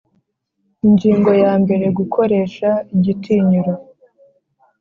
Ingingo ya mbere Gukoresha igitinyiro